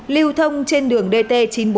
lưu thông trên đường dt chín trăm bốn mươi